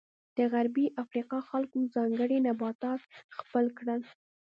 د غربي افریقا خلکو ځانګړي نباتات خپل کړل.